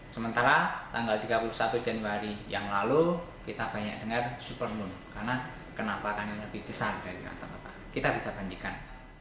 sementara tanggal tiga puluh satu januari yang lalu kita banyak dengar supermoon karena kenapa kanalnya lebih besar dari rata rata kita bisa bandingkan